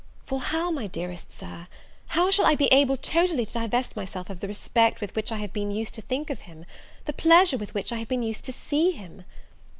for how, my dearest Sir, how shall I be able totally to divest myself of the respect with which I have been used to think of him? the pleasure with which I have been used to see him?